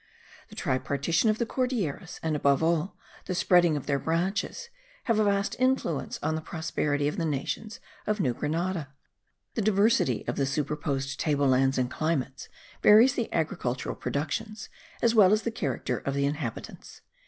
The tripartition of the Cordilleras, and above all, the spreading of their branches, have a vast influence on the prosperity of the nations of New Grenada. The diversity of the superposed table lands and climates varies the agricultural productions as well as the character of the inhabitants.